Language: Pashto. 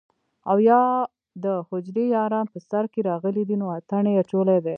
او يا دحجرې ياران په سر کښې راغلي دي نو اتڼ يې اچولے دے